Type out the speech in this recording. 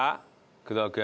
工藤君。